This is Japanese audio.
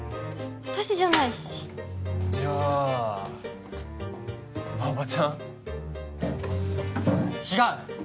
私じゃないしじゃあ馬場ちゃん？違う！